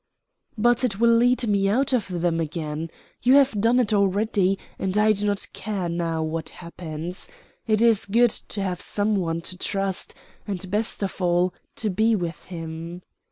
"But it will lead me out of them again. You have done it already, and I do not care now what happens. It is good to have some one to trust and, best of all, to be with him."